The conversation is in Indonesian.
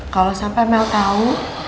kalau sampai mel tau